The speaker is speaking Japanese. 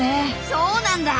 そうなんだ！